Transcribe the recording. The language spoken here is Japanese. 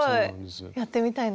やってみたいな。